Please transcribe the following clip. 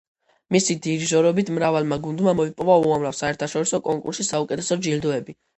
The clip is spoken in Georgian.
მისი დირიჟორობით მრავალმა გუნდმა მოიპოვა უამრავ საერთშორისო კონკურსში საუკეთესო ჯილდოები.